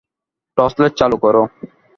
Torchlight চালু করো।